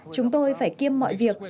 chúng tôi phải kiêm mọi việc